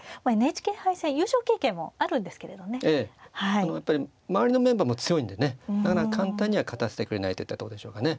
あのやっぱり周りのメンバーも強いんでねなかなか簡単には勝たせてくれないといったところでしょうかね。